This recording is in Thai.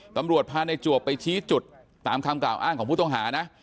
ตำรวจพาในจวบไปชี้จุดตามคำกล่าวอ้างของผู้ต้องหานะ